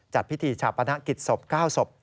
จัดพิธีชาปนกิจศพ๙ศพ